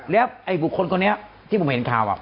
แล้วอัยบุคคลคนเนี้ยที่ผมเห็นข่าวอ่ะ